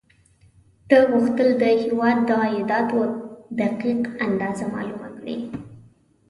ده غوښتل د هېواد د عایداتو دقیق اندازه معلومه کړي.